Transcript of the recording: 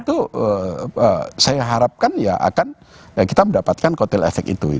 itu saya harapkan ya akan kita mendapatkan kotel efek itu